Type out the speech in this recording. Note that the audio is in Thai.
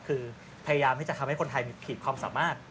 คือพยายามที่จะทำให้คนไทยมีขีดความสามารถ